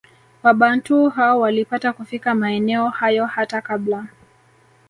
Wabantu hao walipata kufika maeneo hayo hata kabla